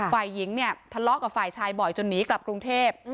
ฝ่ายหญิงเนี่ยทะเลาะกับฝ่ายชายบ่อยจนหนีกลับกรุงเทพ